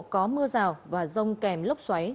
có mưa rào và rông kèm lốc xoáy